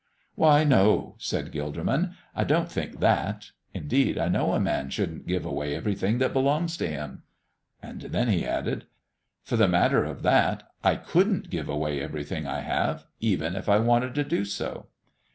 "Why, no," said Gilderman, "I don't think that. Indeed, I know a man shouldn't give away everything that belongs to him." And then he added: "For the matter of that, I couldn't give away everything I have, even if I wanted to do so."